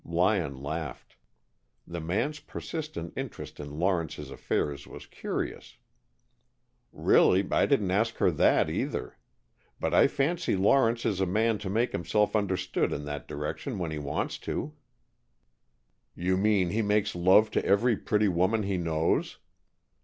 Lyon laughed. The man's persistent interest in Lawrence's affairs was curious. "Really, I didn't ask her that either. But I fancy Lawrence is a man to make himself understood in that direction when he wants to." "You mean he makes love to every pretty woman he knows?"